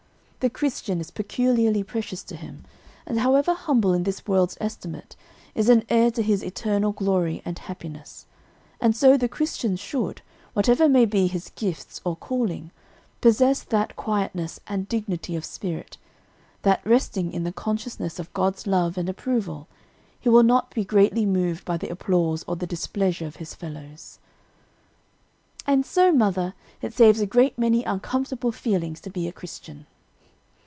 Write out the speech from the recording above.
"The Christian is peculiarly precious to Him, and however humble in this world's estimate, is an heir to His eternal glory and happiness; and so the Christian should, whatever may be his gifts or calling, possess that quietness and dignity of spirit, that, resting in the consciousness of God's love and approval, he will not be greatly moved by the applause or the displeasure of his fellows." "And so, mother, it saves a great many uncomfortable feelings to be a Christian."